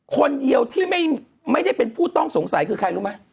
คนเดียวที่ไม่ได้เป็นผู้ต้องสงสัยคือใครรู้ไหม